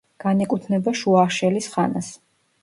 განეკუთვნება შუა აშელის ხანას.